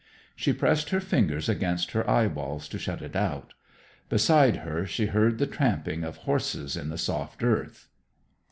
She pressed her fingers against her eyeballs to shut it out. Beside her she heard the tramping of horses in the soft earth.